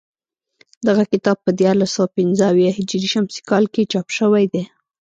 دغه کتاب په دیارلس سوه پنځه اویا هجري شمسي کال کې چاپ شوی دی